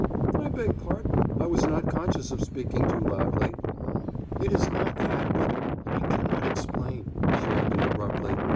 "I beg pardon, I was not conscious of speaking too loudly." "It is not that, but—I cannot explain." She ended abruptly.